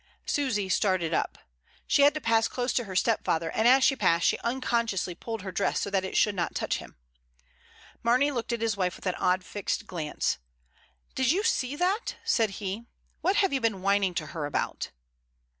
Susy started up. She had to pass close to her stepfather, and as she passed she unconsciously pulled her dress so that it should not touch him. Mamey looked at his wife with an odd fixed glance. "Did you see that?" said he. "What have you been whining to her about?"